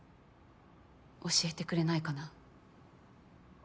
教えてくれないかな？